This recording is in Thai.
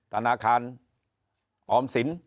ธนาคารออมศิลป์